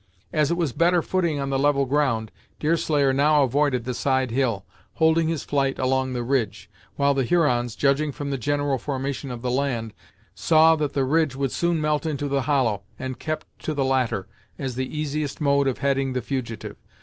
As it was better footing on the level ground, Deerslayer now avoided the side hill, holding his flight along the ridge; while the Hurons, judging from the general formation of the land, saw that the ridge would soon melt into the hollow, and kept to the latter, as the easiest mode of heading the fugitive.